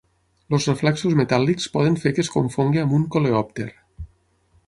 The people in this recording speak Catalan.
Els reflexos metàl·lics poden fer que es confongui amb un coleòpter.